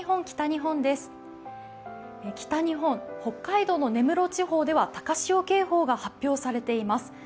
北日本、北海道の根室地方では高潮警報が発表されています。